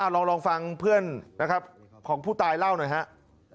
ลองฟังเพื่อนนะครับของผู้ตายเล่าหน่อยครับ